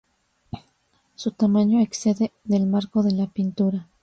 Su tamaño excede del marco de la pintura.